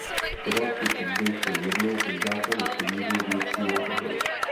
Finanční služby jsou jedny ze základních pilířů vnitřního trhu.